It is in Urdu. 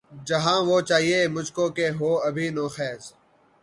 جہاں وہ چاہیئے مجھ کو کہ ہو ابھی نوخیز